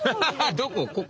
どこ？